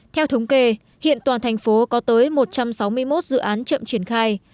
theo thống kê hiện toàn thành phố có tới một trăm sáu mươi một dự án chậm triển khai